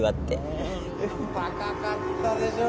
えぇ高かったでしょう？